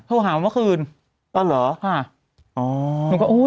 โทรหามาเมื่อคืนอ๋อจริงปะตอนไหนอ่ะ